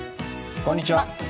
こんにちは。